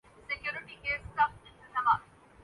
پاکستانی جوڑے جنھیں اپنی محبت لائن ملی